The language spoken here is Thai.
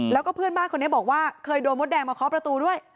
แล้วก็เพื่อนบ้านคนนี้บอกว่าเคยโดนมดแดงมาเคาะประตูด้วย